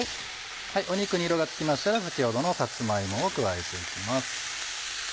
肉に色がつきましたら先ほどのさつま芋を加えて行きます。